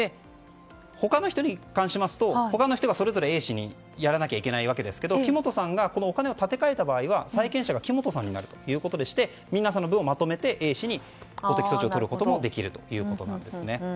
他の人に関しますと他の人がそれぞれＡ氏にやらなきゃいけないわけですが木本さんがこのお金を立て替えた場合は債権者が木本さんになるということでして皆さんの分をまとめてＡ氏に請求することができると。